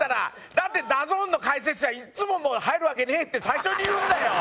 だってＤＡＺＮの解説者いつも「入るわけねえ」って最初に言うんだよ。